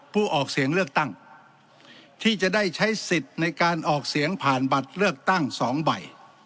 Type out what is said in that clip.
ผู้ออกเสียงเลือกตั้งที่จะได้ใช้สิทธิ์ในการออกเสียงผ่านบัตรเลือกตั้ง๒ใบ